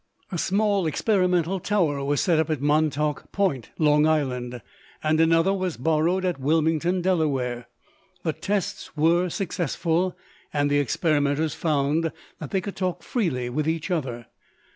A small experimental tower was set up at Montauk Point, Long Island, and another was borrowed at Wilmington, Delaware. The tests were successful, and the experimenters found that they could talk freely with each other.